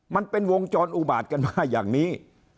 มันเป็นวงจรอุบาตกันมาอย่างนี้